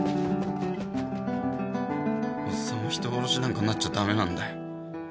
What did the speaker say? おっさんは人殺しになんかなっちゃダメなんだよ。